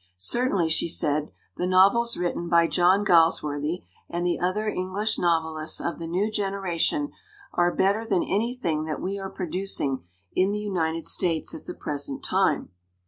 "Certainly," she said, "the novels written by John Galsworthy and the other English novelists of the new generation are better than anything that we are producing in the United States at the present time.